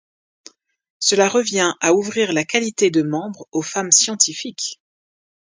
Cela revient à ouvrir la qualité de membre aux femmes scientifiques.